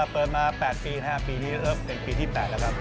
เปิดมา๘ปีนะครับปีนี้เริ่มเป็นปีที่๘แล้วครับ